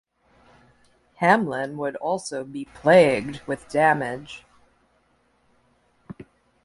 Hamlin would also be plagued with damage.